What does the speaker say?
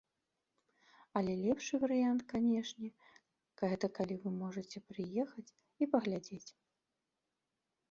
Але лепшы варыянт, канечне, гэта калі вы можаце прыехаць і паглядзець.